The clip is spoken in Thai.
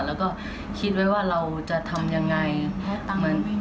แล้วก็คิดไว้ว่าเราจะทำอย่างไร